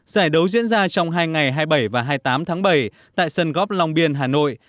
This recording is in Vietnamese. giải đấu diễn ra trong hai ngày hai mươi bảy và hai mươi tám tháng bảy tại sân góp long biên hà nội